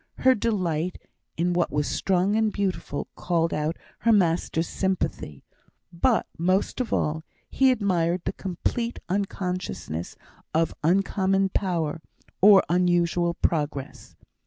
Her delight in what was strong and beautiful called out her master's sympathy; but, most of all, he admired the complete unconsciousness of uncommon power, or unusual progress.